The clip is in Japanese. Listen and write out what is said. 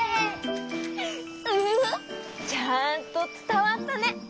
ウフフ！ちゃんとつたわったね！